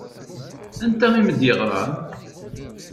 Anta i m-d-yeɣṛan?